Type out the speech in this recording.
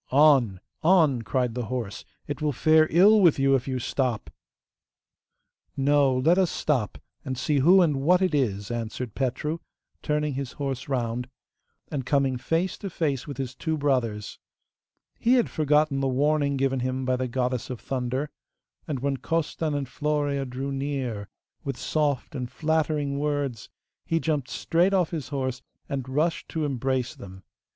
'On! on!' cried the horse; 'it will fare ill with you if you stop.' 'No, let us stop, and see who and what it is!' answered Petru, turning his horse round, and coming face to face with his two brothers. He had forgotten the warning given him by the Goddess of Thunder, and when Costan and Florea drew near with soft and flattering words he jumped straight off his horse, and rushed to embrace them.